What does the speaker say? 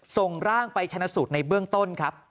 ส่งร่างไปชนะสูตรในเบื้องต้นครับ